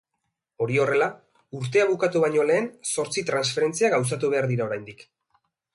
Hori horrela, urtea bukatu baino lehen zortzi transferentzia gauzatu behar dira oraindik.